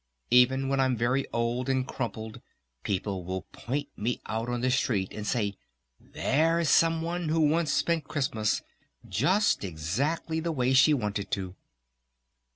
Even when I'm very old and crumpled people would point me out on the street and say 'There's some one who once spent Christmas just exactly the way she wanted to'!"